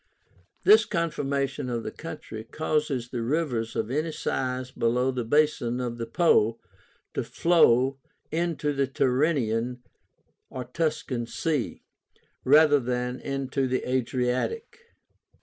This conformation of the country causes the rivers of any size below the basin of the Po to flow into the Tyrrhenian (Tuscan) Sea, rather than into the Adriatic.